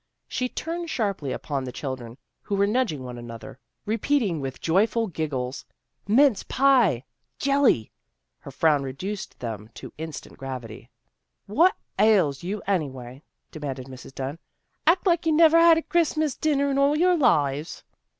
She turned sharply upon the children, who were nudging one another, repeating with joyful 210 THE GIRLS OF FRIENDLY TERRACE giggles, "Mince pie!" "Jelly!" Her frown reduced them to instant gravity. " What ails you, anyway? " demanded Mrs. Dunn. " Act like you never had a Christmas dinner in all your lives."